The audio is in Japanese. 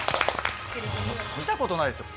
見たことないですよ